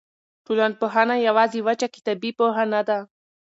ټولنپوهنه یوازې وچه کتابي پوهه نه ده.